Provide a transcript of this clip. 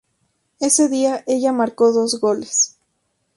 Ese día, ella marcó dos goles.